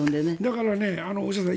だから、大下さん